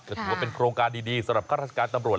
ก็ถือว่าเป็นโครงการดีสำหรับข้าราชการตำรวจ